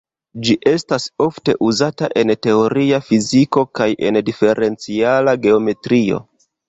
Ĝi estas ofte uzata en teoria fiziko kaj en diferenciala geometrio.